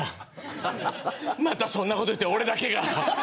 またそんなこと言って俺だけが。